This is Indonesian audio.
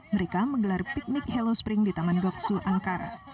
mereka menggelar piknik hello spring di taman goksu ankara